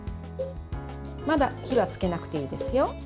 まだ火はつけなくていいですよ。